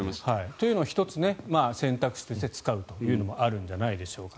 というのが１つ選択肢として使うというのがあるんじゃないでしょうか。